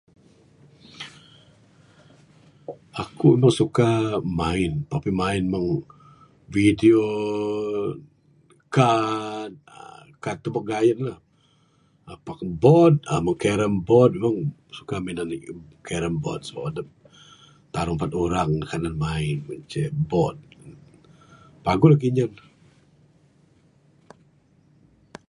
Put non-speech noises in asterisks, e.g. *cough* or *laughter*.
Aku meh suka main tapi main meng video, kad tubek gayen lah pak board kayuh da meng board memang suka *unintelligible* minan board, taruh empat urang kanan main ce board paguh lagih yen.